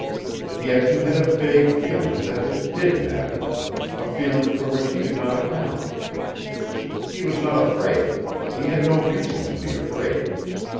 Yet he had a vague feeling that it did matter, a feeling for which he could not account. He was not afraid; he had no reason to be afraid.